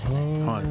はい。